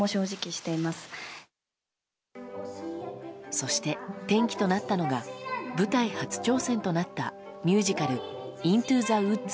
そして、転機となったのが舞台初挑戦となったミュージカル「イントゥ・ザ・ウッズ」。